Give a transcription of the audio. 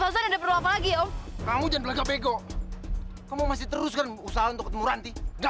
sampai jumpa di video selanjutnya